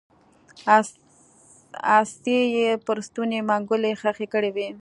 غصې يې پر ستوني منګولې خښې کړې وې